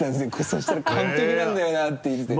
「そしたら完璧なんだよな」って言ってて。